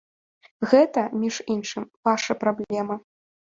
Гэта, між іншым, ваша праблема!